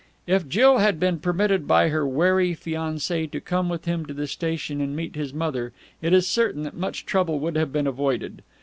If Jill had been permitted by her wary fiancé to come with him to the station to meet his mother it is certain that much trouble would have been avoided.